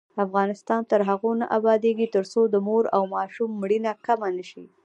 افغانستان تر هغو نه ابادیږي، ترڅو د مور او ماشوم مړینه کمه نشي.